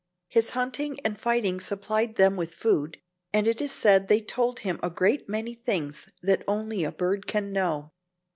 His hunting and fighting supplied them with food, and it is said they told him a great many things that only a bird can know.